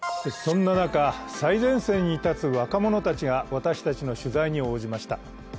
そんな中、最前線に立つ若者たちが私たちの取材に応じました。